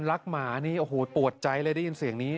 รักหมาโหปวดใจเลยได้ยินเสียงนี้